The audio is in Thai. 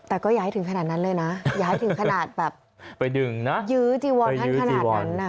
แต่ก็อย่าให้ถึงขนาดนั้นเลยนะอย่าให้ถึงขนาดแบบไปดึงนะยื้อจีวอนท่านขนาดนั้นน่ะ